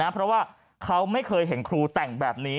เพราะว่าเขาไม่เคยเห็นครูแต่งแบบนี้